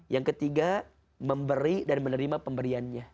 yang ketiga memberi dan menerima pemberiannya